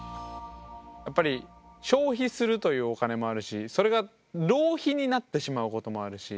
やっぱり消費するというお金もあるしそれが浪費になってしまうこともあるし